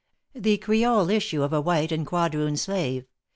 The Creole issue of a white and quadroon slave.